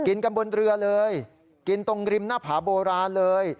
กินกันบนเรือเลยกินตรงริมหน้าผาโบราณเลย